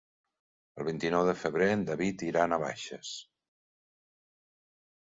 El vint-i-nou de febrer en David irà a Navaixes.